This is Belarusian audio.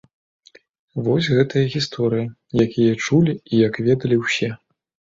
Вось гэтая гісторыя, як яе чулі і як ведалі ўсе.